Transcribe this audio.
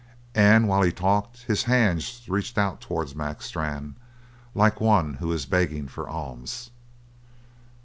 And while he talked his hands reached out towards Mac Strann like one who is begging for alms.